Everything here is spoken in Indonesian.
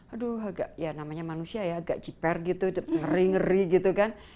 aduh agak ya namanya manusia ya agak jiper gitu ngeri ngeri gitu kan